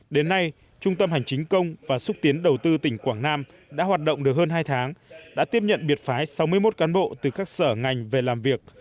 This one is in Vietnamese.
đến nay trung tâm hành chính công và xúc tiến đầu tư tỉnh quảng nam đã hoạt động được hơn hai tháng đã tiếp nhận biệt phái sáu mươi một cán bộ từ các sở ngành về làm việc